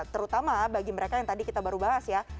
terutama bagi mereka yang tadi kita baru bahas ya